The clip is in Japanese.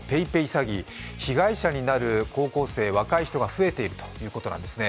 詐欺、被害者になる高校生、若い人が増えているということなんですね。